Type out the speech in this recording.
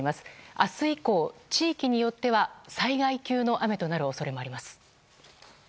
明日以降、地域によっては災害級の雨となる恐れもあります。